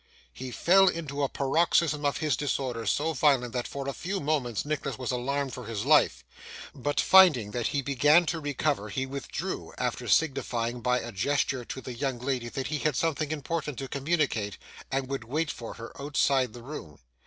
He fell into a paroxysm of his disorder, so violent that for a few moments Nicholas was alarmed for his life; but finding that he began to recover, he withdrew, after signifying by a gesture to the young lady that he had something important to communicate, and would wait for her outside the room.